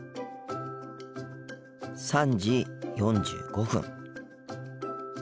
３時４５分。